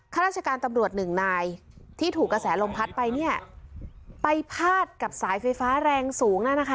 ข้าราชการตำรวจหนึ่งนายที่ถูกกระแสลมพัดไปเนี่ยไปพาดกับสายไฟฟ้าแรงสูงนั่นนะคะ